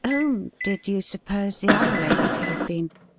' Whom did you suppose the other lady to have been